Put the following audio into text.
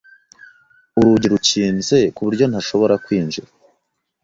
Urugi rukinze, ku buryo ntashobora kwinjira.